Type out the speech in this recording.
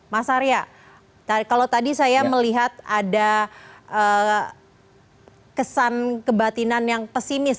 mas arya kalau tadi saya melihat ada kesan kebatinan yang pesimis